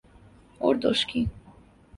ওর দোষ কী।